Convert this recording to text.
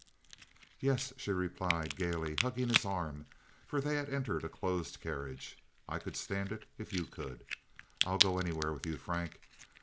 "Yes," she replied, gaily, hugging his arm, for they had entered a closed carriage; "I could stand it if you could. I'd go anywhere with you, Frank.